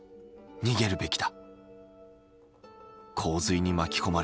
「逃げるべきだ」